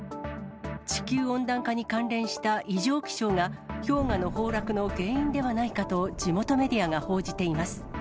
地球温暖化に関連した異常気象が氷河の崩落の原因ではないかと地元メディアが報じています。